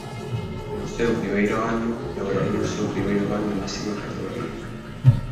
No seu primeiro ano lograría o seu primeiro gol na máxima categoría.